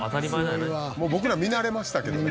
「もう僕ら見慣れましたけどね」